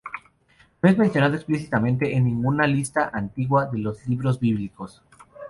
No es mencionado explícitamente en ninguna lista antigua de los libros bíblicos.